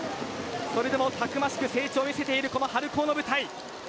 それでもたくましく成長を見せているこの春高の舞台。